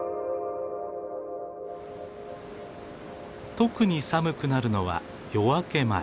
特に寒くなるのは夜明け前。